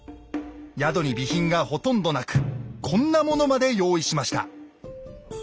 宿に備品がほとんどなくこんなものまで用意しました。